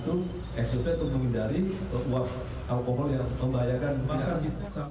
padahal itu exhaustnya untuk menghindari uap alkohol yang membahayakan